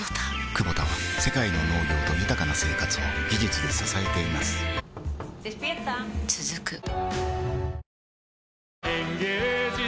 クボタは世界の農業と豊かな生活を技術で支えています起きて。